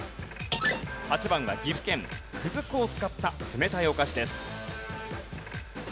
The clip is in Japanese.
８番は岐阜県くず粉を使った冷たいお菓子です。